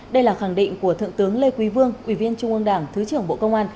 đây là khẳng định của thượng tướng lê quý vương ủy viên trung ương đảng thứ trưởng bộ công an